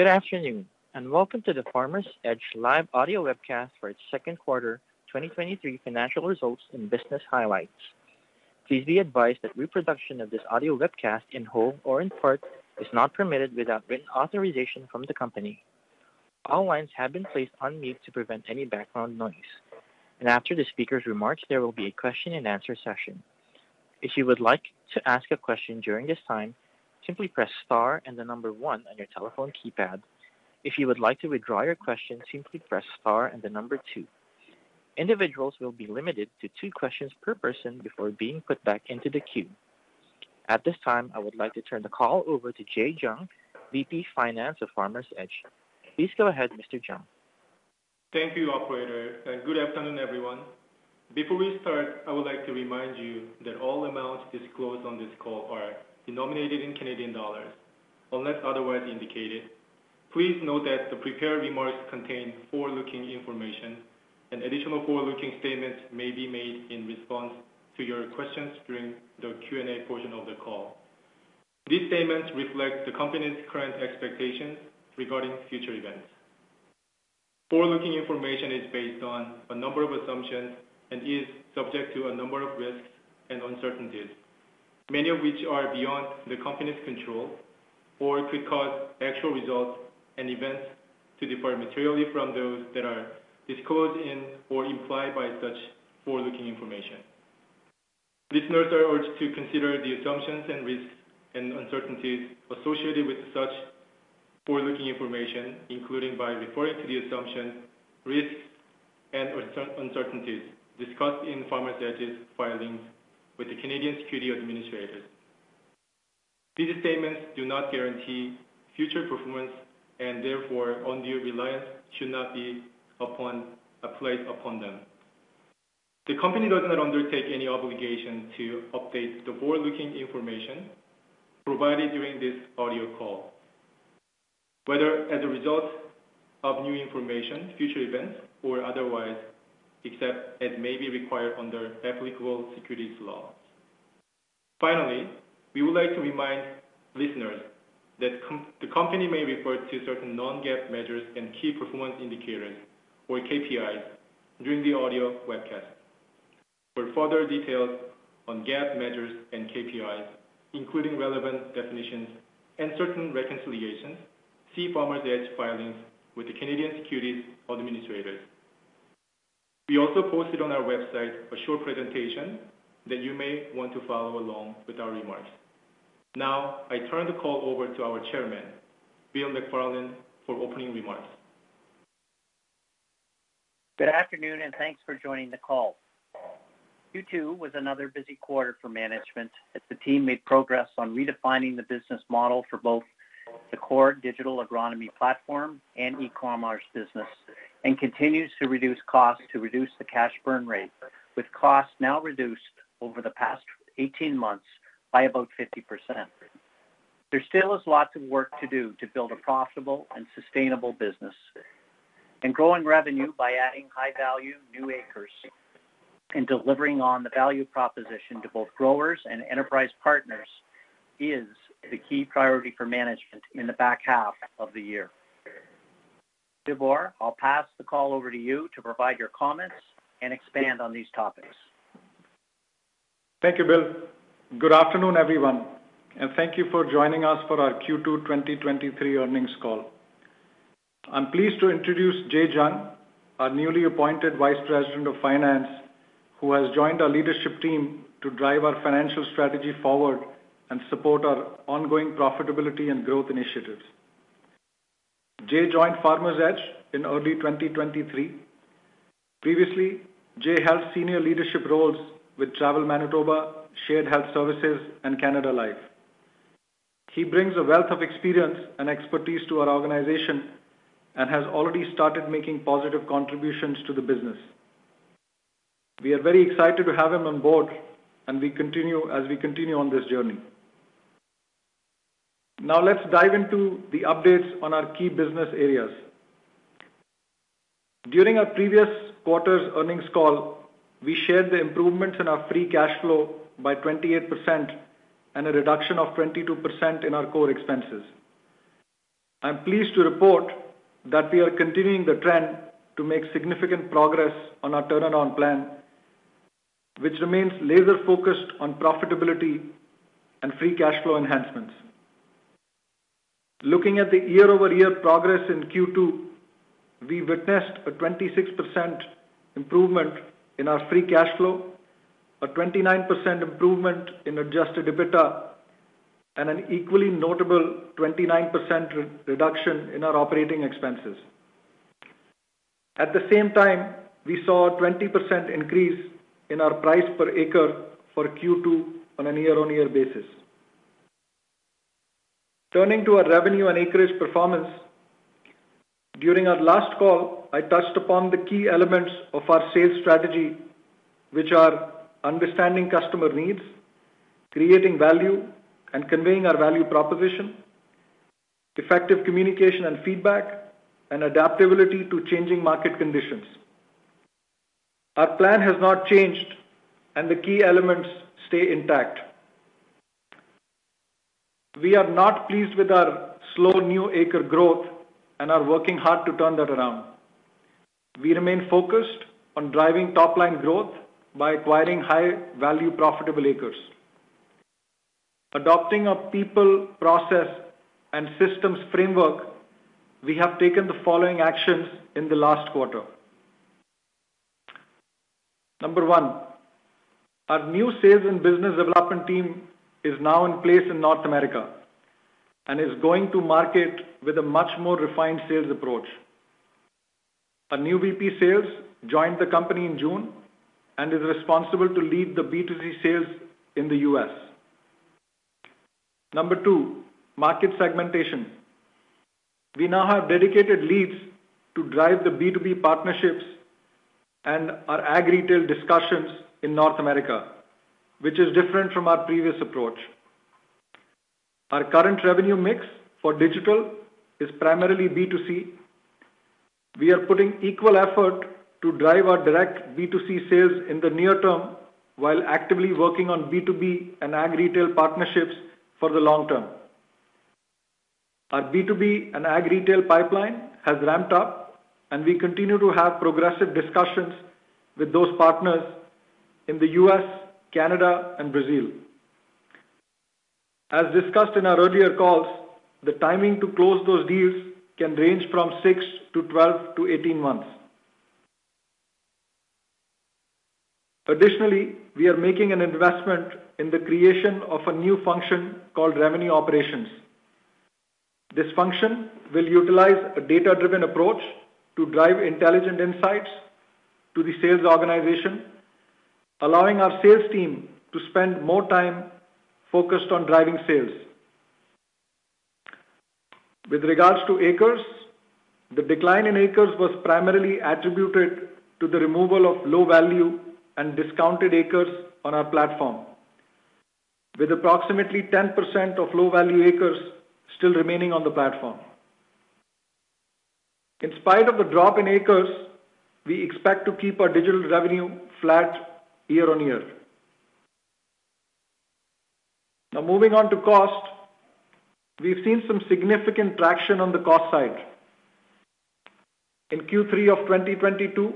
Good afternoon, and welcome to the Farmers Edge live audio webcast for its second quarter 2023 financial results and business highlights. Please be advised that reproduction of this audio webcast, in whole or in part, is not permitted without written authorization from the company. All lines have been placed on mute to prevent any background noise, and after the speaker's remarks, there will be a question and answer session. If you would like to ask a question during this time, simply press star 1 on your telephone keypad. If you would like to withdraw your question, simply press star 2. Individuals will be limited to two questions per person before being put back into the queue. At this time, I would like to turn the call over to Jay Jung, VP, Finance of Farmers Edge. Please go ahead, Mr. Jung. Thank you, operator, and good afternoon, everyone. Before we start, I would like to remind you that all amounts disclosed on this call are denominated in Canadian dollars, unless otherwise indicated. Please note that the prepared remarks contain forward-looking information, and additional forward-looking statements may be made in response to your questions during the Q&A portion of the call. These statements reflect the company's current expectations regarding future events. Forward-looking information is based on a number of assumptions and is subject to a number of risks and uncertainties, many of which are beyond the company's control or could cause actual results and events to differ materially from those that are disclosed in or implied by such forward-looking information. Listeners are urged to consider the assumptions and risks and uncertainties associated with such forward-looking information, including by referring to the assumptions, risks, and uncertainties discussed in Farmers Edge's filings with the Canadian Securities Administrators. These statements do not guarantee future performance, and therefore undue reliance should not be applied upon them. The company does not undertake any obligation to update the forward-looking information provided during this audio call, whether as a result of new information, future events, or otherwise, except as may be required under applicable securities laws. Finally, we would like to remind listeners that the company may refer to certain non-GAAP measures and key performance indicators, or KPIs, during the audio webcast. For further details on GAAP measures and KPIs, including relevant definitions and certain reconciliations, see Farmers Edge filings with the Canadian Securities Administrators. We also posted on our website a short presentation that you may want to follow along with our remarks. Now, I turn the call over to our chairman, Bill McFarland, for opening remarks. Good afternoon, and thanks for joining the call. Q2 was another busy quarter for management, as the team made progress on redefining the business model for both the core digital agronomy platform and e-commerce business, and continues to reduce costs to reduce the cash burn rate, with costs now reduced over the past 18 months by about 50%. There still is lots of work to do to build a profitable and sustainable business. Growing revenue by adding high-value new acres and delivering on the value proposition to both growers and enterprise partners is the key priority for management in the back half of the year. Vibhore, I'll pass the call over to you to provide your comments and expand on these topics. Thank you, Bill. Good afternoon, everyone, and thank you for joining us for our Q2 2023 earnings call. I'm pleased to introduce Jay Jung, our newly appointed Vice President of Finance, who has joined our leadership team to drive our financial strategy forward and support our ongoing profitability and growth initiatives. Jay joined Farmers Edge in early 2023. Previously, Jay held senior leadership roles with Travel Manitoba, Shared Health Services, and Canada Life. He brings a wealth of experience and expertise to our organization and has already started making positive contributions to the business. We are very excited to have him on board as we continue on this journey. Let's dive into the updates on our key business areas. During our previous quarter's earnings call, we shared the improvements in our free cash flow by 28% and a reduction of 22% in our core expenses. I'm pleased to report that we are continuing the trend to make significant progress on our turnaround plan, which remains laser-focused on profitability and free cash flow enhancements. Looking at the year-over-year progress in Q2, we witnessed a 26% improvement in our free cash flow, a 29% improvement in Adjusted EBITDA, and an equally notable 29% reduction in our operating expenses. At the same time, we saw a 20% increase in our price per acre for Q2 on a year-on-year basis. Turning to our revenue and acreage performance, during our last call, I touched upon the key elements of our sales strategy, which are: understanding customer needs; creating value and conveying our value proposition; effective communication and feedback; and adaptability to changing market conditions. Our plan has not changed, and the key elements stay intact. We are not pleased with our slow new acre growth and are working hard to turn that around. We remain focused on driving top-line growth by acquiring high-value profitable acres. Adopting a people, process, and systems framework, we have taken the following actions in the last quarter. Number 1, our new sales and business development team is now in place in North America, and is going to market with a much more refined sales approach. A new VP Sales joined the company in June and is responsible to lead the B2C sales in the U.S. Number 2, market segmentation. We now have dedicated leads to drive the B2B partnerships and our ag-retail discussions in North America, which is different from our previous approach. Our current revenue mix for digital is primarily B2C. We are putting equal effort to drive our direct B2C sales in the near term, while actively working on B2B and ag-retail partnerships for the long term. Our B2B and ag-retail pipeline has ramped up, and we continue to have progressive discussions with those partners in the US, Canada, and Brazil. As discussed in our earlier calls, the timing to close those deals can range from 6 to 12 to 18 months. Additionally, we are making an investment in the creation of a new function called Revenue Operations. This function will utilize a data-driven approach to drive intelligent insights to the sales organization, allowing our sales team to spend more time focused on driving sales. With regards to acres, the decline in acres was primarily attributed to the removal of low-value and discounted acres on our platform, with approximately 10% of low value acres still remaining on the platform. In spite of the drop in acres, we expect to keep our digital revenue flat year on year. Now, moving on to cost. We've seen some significant traction on the cost side. In Q3 of 2022,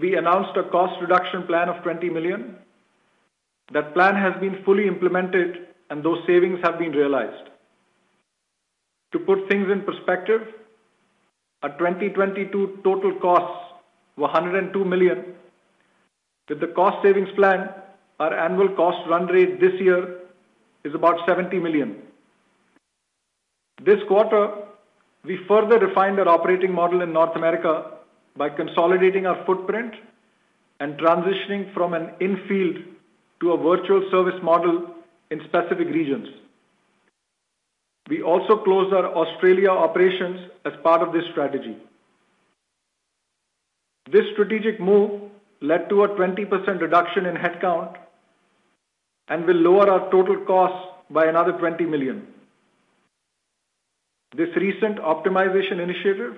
we announced a cost reduction plan of 20 million. That plan has been fully implemented and those savings have been realized. To put things in perspective, our 2022 total costs were 102 million. With the cost savings plan, our annual cost run rate this year is about 70 million. This quarter, we further refined our operating model in North America by consolidating our footprint and transitioning from an in-field to a virtual service model in specific regions. We also closed our Australia operations as part of this strategy. This strategic move led to a 20% reduction in headcount and will lower our total costs by another 20 million. This recent optimization initiative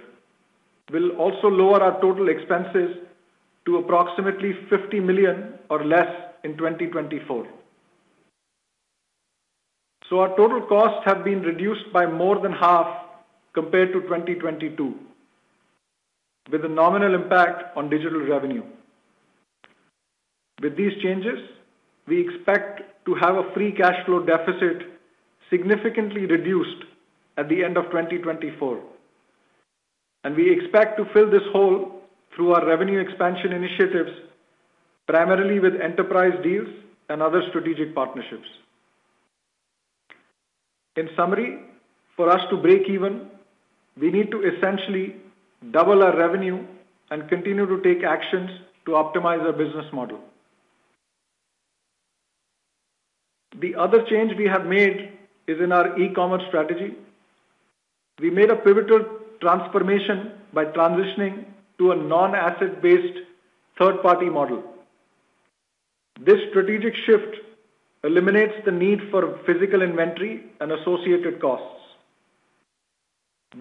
will also lower our total expenses to approximately 50 million or less in 2024. Our total costs have been reduced by more than half compared to 2022, with a nominal impact on digital revenue. With these changes, we expect to have a free cash flow deficit significantly reduced at the end of 2024, and we expect to fill this hole through our revenue expansion initiatives, primarily with enterprise deals and other strategic partnerships. In summary, for us to break even, we need to essentially double our revenue and continue to take actions to optimize our business model. The other change we have made is in our e-commerce strategy. We made a pivotal transformation by transitioning to a non-asset-based third-party model. This strategic shift eliminates the need for physical inventory and associated costs.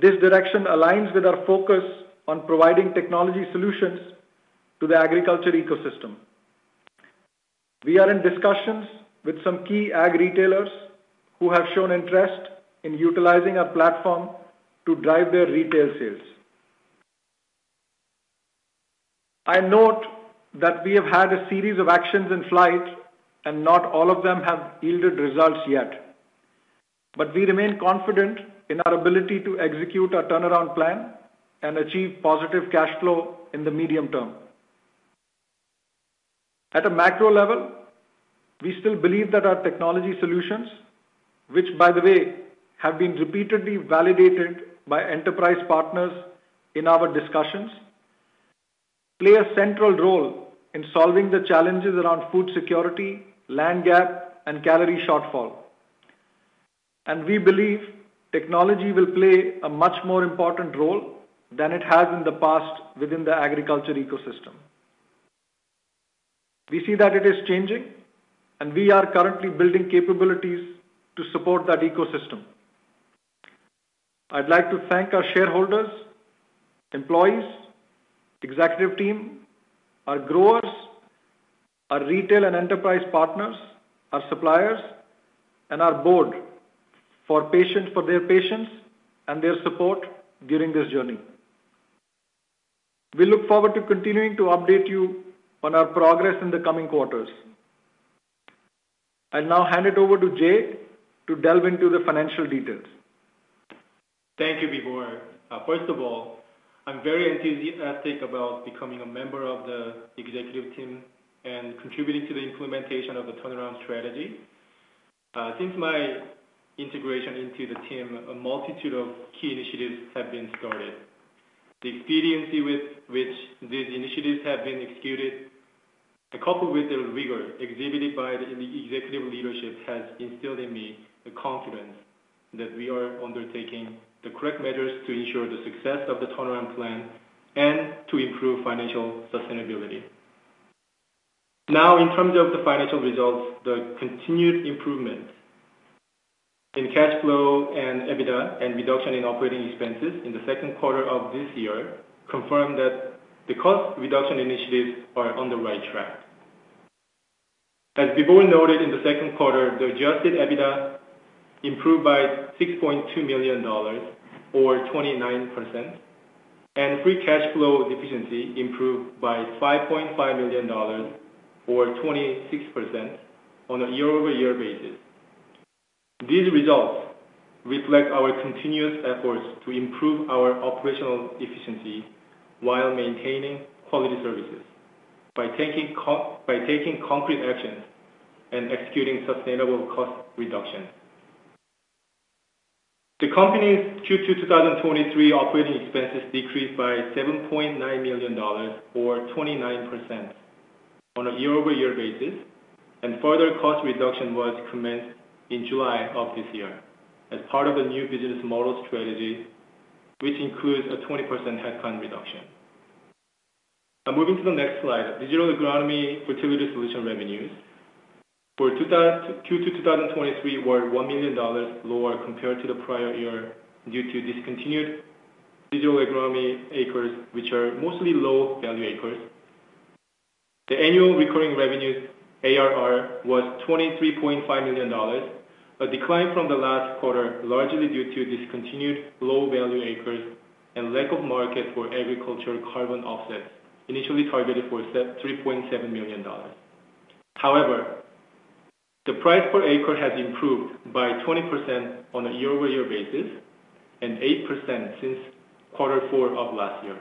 This direction aligns with our focus on providing technology solutions to the agriculture ecosystem. We are in discussions with some key ag-retail who have shown interest in utilizing our platform to drive their retail sales. I note that we have had a series of actions in flight and not all of them have yielded results yet. We remain confident in our ability to execute our turnaround plan and achieve positive cash flow in the medium term. At a macro level, we still believe that our technology solutions, which, by the way, have been repeatedly validated by enterprise partners in our discussions, play a central role in solving the challenges around food security, land gap, and calorie shortfall. We believe technology will play a much more important role than it has in the past within the agriculture ecosystem. We see that it is changing, and we are currently building capabilities to support that ecosystem. I'd like to thank our shareholders, employees, executive team, our growers, our retail and enterprise partners, our suppliers, and our board for their patience and their support during this journey. We look forward to continuing to update you on our progress in the coming quarters. I'll now hand it over to Jay to delve into the financial details. Thank you, Vibhore. First of all, I'm very enthusiastic about becoming a member of the executive team and contributing to the implementation of the turnaround strategy. Since my integration into the team, a multitude of key initiatives have been started. The expediency with which these initiatives have been executed, coupled with the rigor exhibited by the executive leadership, has instilled in me the confidence that we are undertaking the correct measures to ensure the success of the turnaround plan and to improve financial sustainability. In terms of the financial results, the continued improvement in cash flow and EBITDA and reduction in operating expenses in the second quarter of this year confirmed that the cost reduction initiatives are on the right track. As Vibhore noted, in the second quarter, the Adjusted EBITDA improved by 6.2 million dollars, or 29%, and free cash flow deficiency improved by 5.5 million dollars, or 26% on a year-over-year basis. These results reflect our continuous efforts to improve our operational efficiency while maintaining quality services by taking concrete actions and executing sustainable cost reduction. The company's Q2-2023 operating expenses decreased by 7.9 million dollars, or 29% on a year-over-year basis, and further cost reduction was commenced in July of this year as part of a new business model strategy, which includes a 20% headcount reduction. Moving to the next slide. Digital agronomy fertility solution revenues for Q2-2023 were 1 million dollars lower compared to the prior year due to discontinued digital agronomy acres, which are mostly low-value acres. The annual recurring revenues, ARR, was 23.5 million dollars, a decline from the last quarter, largely due to discontinued low-value acres and lack of market for agricultural carbon offsets, initially targeted for 3.7 million dollars. However, the price per acre has improved by 20% on a year-over-year basis and 8% since quarter four of last year,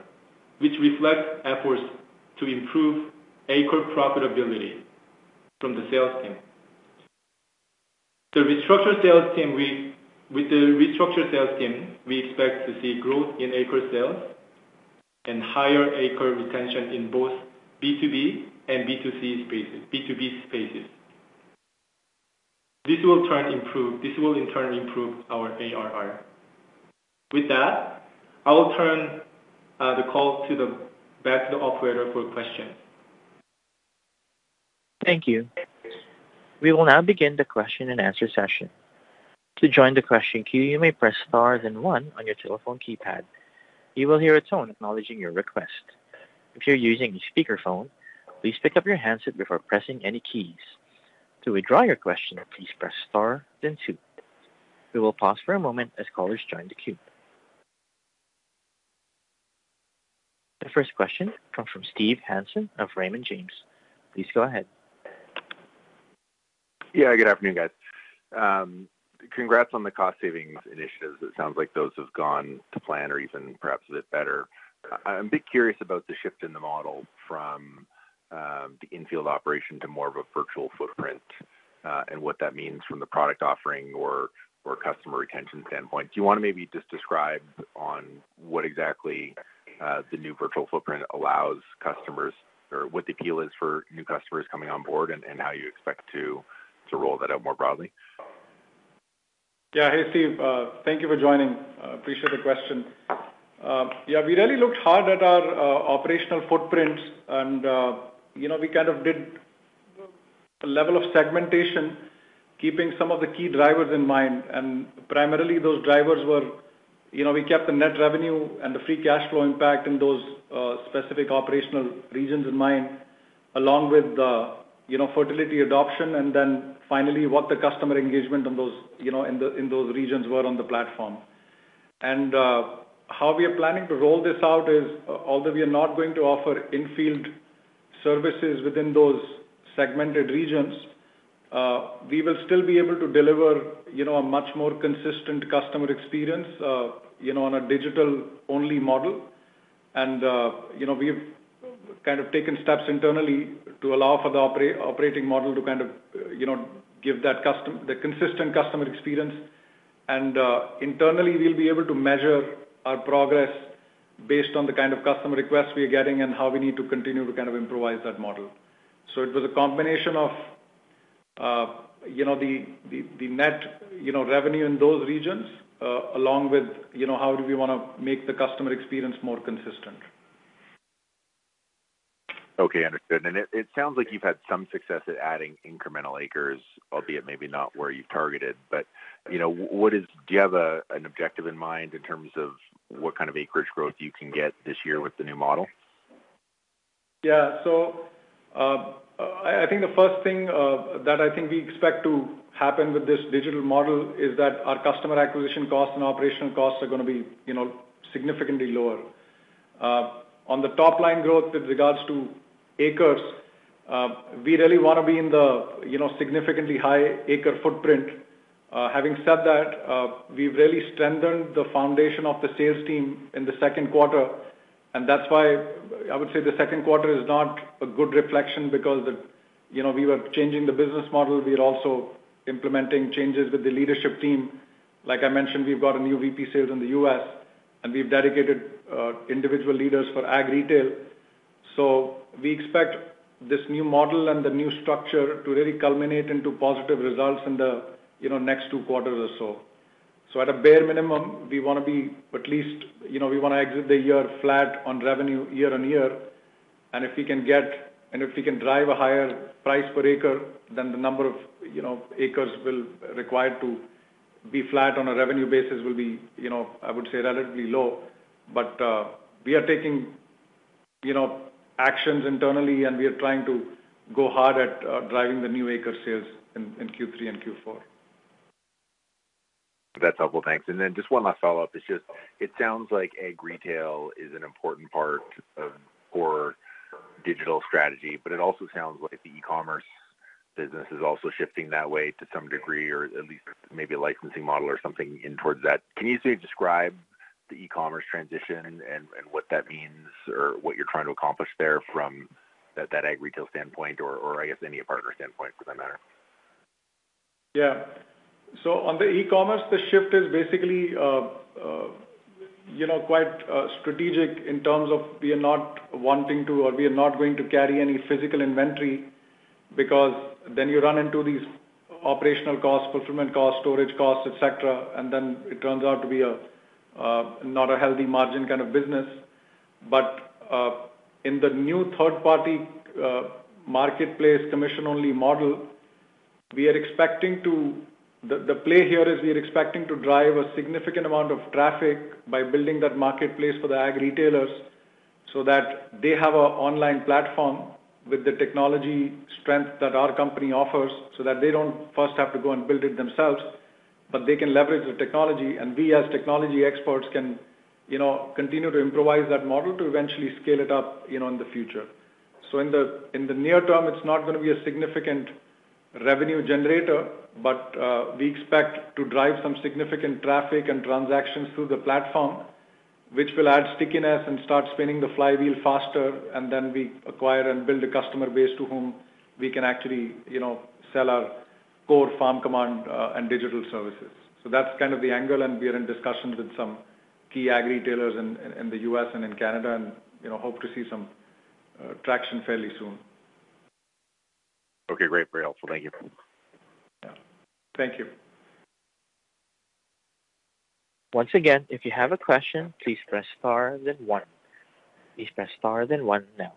which reflects efforts to improve acre profitability from the sales team. With the restructured sales team, we expect to see growth in acre sales and higher acre retention in both B2B and B2C spaces. This will in turn improve our ARR. With that, I will turn the call back to the operator for questions. Thank you. We will now begin the question-and-answer session. To join the question queue, you may press Star and One on your telephone keypad. You will hear a tone acknowledging your request. If you're using a speakerphone, please pick up your handset before pressing any keys. To withdraw your question, please press Star then Two. We will pause for a moment as callers join the queue. The first question comes from Steve Hansen of Raymond James. Please go ahead. Yeah, good afternoon, guys. Congrats on the cost savings initiatives. It sounds like those have gone to plan or even perhaps a bit better. I'm a bit curious about the shift in the model from the in-field operation to more of a virtual footprint, and what that means from the product offering or, or customer retention standpoint. Do you want to maybe just describe on what exactly the new virtual footprint allows customers, or what the appeal is for new customers coming on board and, and how you expect to, to roll that out more broadly? Yeah. Hey, Steve, thank you for joining. I appreciate the question. Yeah, we really looked hard at our operational footprints and, you know, we kind of did a level of segmentation, keeping some of the key drivers in mind. Primarily, those drivers were, you know, we kept the net revenue and the free cash flow impact in those specific operational regions in mind, along with the, you know, fertility adoption, and then finally, what the customer engagement on those, you know, in those regions were on the platform. How we are planning to roll this out is, although we are not going to offer in-field services within those segmented regions, we will still be able to deliver, you know, a much more consistent customer experience, you know, on a digital-only model. You know, we've kind of taken steps internally to allow for the operating model to kind of, you know, give that the consistent customer experience. Internally, we'll be able to measure our progress based on the kind of customer requests we are getting and how we need to continue to kind of improvise that model. It was a combination of, you know, the, the, the net, you know, revenue in those regions, along with, you know, how do we want to make the customer experience more consistent? Okay, understood. It sounds like you've had some success at adding incremental acres, albeit maybe not where you've targeted. You know, do you have a, an objective in mind in terms of what kind of acreage growth you can get this year with the new model? Yeah. I, I think the first thing that I think we expect to happen with this digital model is that our customer acquisition costs and operational costs are gonna be, you know, significantly lower. On the top line growth with regards to acres, we really want to be in the, you know, significantly high acre footprint. Having said that, we've really strengthened the foundation of the sales team in the second quarter, and that's why I would say the second quarter is not a good reflection because, you know, we were changing the business model. We are also implementing changes with the leadership team. Like I mentioned, we've got a new VP Sales in the US, and we've dedicated individual leaders for ag-retail. We expect this new model and the new structure to really culminate into positive results in the, you know, next two quarters or so. At a bare minimum, we wanna be at least, you know, we wanna exit the year flat on revenue year-on-year. If we can drive a higher price per acre, then the number of, you know, acres will require to be flat on a revenue basis will be, you know, I would say relatively low. We are taking, you know, actions internally, and we are trying to go hard at driving the new acre sales in, in Q3 and Q4. That's helpful. Thanks. Then just one last follow-up. It sounds like ag-retail is an important part of core digital strategy, but it also sounds like the e-commerce business is also shifting that way to some degree, or at least maybe a licensing model or something in towards that. Can you describe the e-commerce transition and what that means, or what you're trying to accomplish there from that ag-retail standpoint or I guess, any partner standpoint, for that matter? On the e-commerce, the shift is basically, you know, quite strategic in terms of we are not wanting to, or we are not going to carry any physical inventory, because then you run into these operational costs, fulfillment costs, storage costs, et cetera, and then it turns out to be a not a healthy margin kind of business. In the new third-party marketplace commission-only model, we are expecting to. The play here is we are expecting to drive a significant amount of traffic by building that marketplace for the ag-retailers, so that they have a online platform with the technology strength that our company offers, so that they don't first have to go and build it themselves, but they can leverage the technology, and we, as technology experts, can, you know, continue to improvise that model to eventually scale it up, you know, in the future. In the near term, it's not gonna be a significant revenue generator, but, we expect to drive some significant traffic and transactions through the platform, which will add stickiness and start spinning the flywheel faster, and then we acquire and build a customer base to whom we can actually, you know, sell our core FarmCommand and digital services. That's kind of the angle, and we are in discussions with some key ag-retailers in, in, in the U.S. and in Canada and, you know, hope to see some, traction fairly soon. Okay, great. Very helpful. Thank you. Yeah. Thank you. Once again, if you have a question, please press star then one. Please press star then one now.